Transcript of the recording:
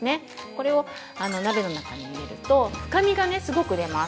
これを鍋の中に入れると深みがすごく出ます。